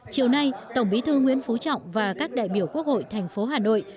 chiều nay tổng bí thư nguyễn phú trọng và các đại biểu quốc hội thành phố hà nội